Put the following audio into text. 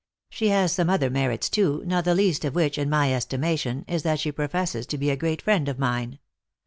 She has some other merits too, not the least of which, in my estimation is that she professes to be a great friend of mine."